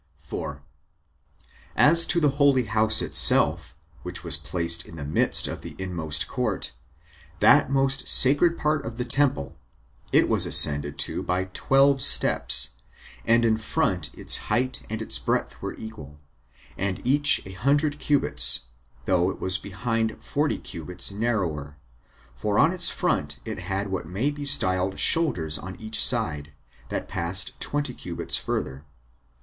4. As to the holy house itself, which was placed in the midst [of the inmost court], that most sacred part of the temple, it was ascended to by twelve steps; and in front its height and its breadth were equal, and each a hundred cubits, though it was behind forty cubits narrower; for on its front it had what may be styled shoulders on each side, that passed twenty cubits further.